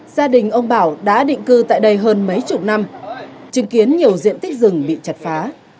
gia đình ông bảo đã định cư tại đây hơn mấy chục năm chứng kiến nhiều diện tích rừng bị chặt phá